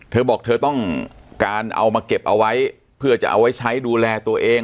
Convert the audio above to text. เธอบอกเธอต้องการเอามาเก็บเอาไว้เพื่อจะเอาไว้ใช้ดูแลตัวเอง